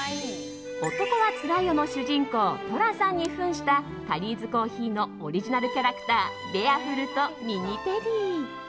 「男はつらいよ」の主人公・寅さんに扮したタリーズコーヒーのオリジナルキャラクターベアフルとミニテディ。